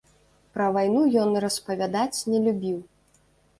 Пра вайну ён распавядаць не любіў.